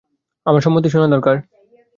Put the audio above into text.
আমার সম্মতি শোনা দরকার।